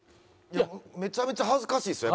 めちゃめちゃ恥ずかしいですよ